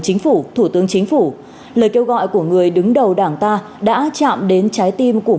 chính phủ thủ tướng chính phủ lời kêu gọi của người đứng đầu đảng ta đã chạm đến trái tim của